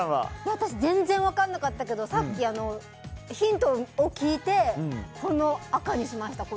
私全然分からなかったけどさっきヒントを聞いて赤にしました。